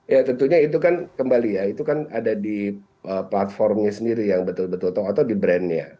ya tentunya itu kan kembali ya itu kan ada di platformnya sendiri yang betul betul atau di brandnya